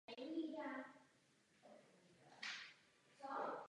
Hra obsahuje několik módů.